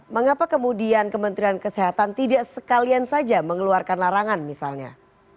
mengapa kemudian kementerian kesehatan tidak sekalian saja mengeluarkan larangan misalnya